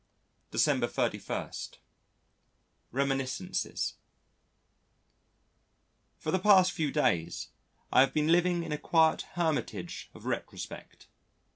December 31. Reminiscences For the past few days I have been living in a quiet hermitage of retrospect.